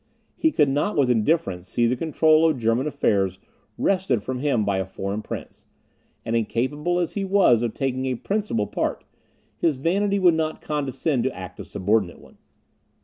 He could not, with indifference, see the control of German affairs wrested from him by a foreign prince; and incapable as he was of taking a principal part, his vanity would not condescend to act a subordinate one.